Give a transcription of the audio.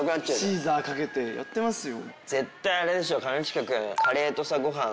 シーザーかけてやってますよ。